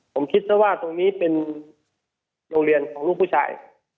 ผมคิดซะว่าตรงนี้เป็นโรงเรียนของลูกผู้ชาย